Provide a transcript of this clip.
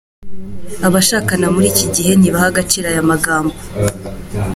Abashakana muri iki gihe ntibaha agaciro aya magambo.